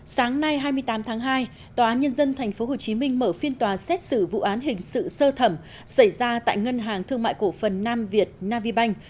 sáng nay hai mươi tám tháng hai tòa án nhân dân tp hcm mở phiên tòa xét xử vụ án hình sự sơ thẩm xảy ra tại ngân hàng thương mại cổ phần nam việt nam vi banh